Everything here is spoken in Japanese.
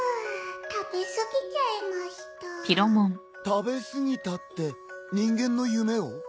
食べ過ぎたって人間の夢を？